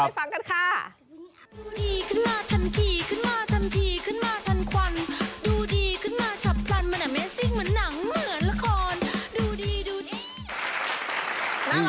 ฟังกันค่ะ